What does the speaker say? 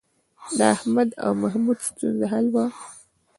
د احمد او محمود ستونزه حل وه